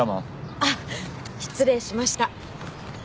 あっ失礼しました。